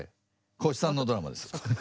光一さんのドラマです。